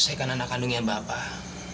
saya kan anak kandungnya bapak